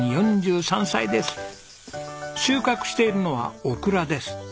収穫しているのはオクラです。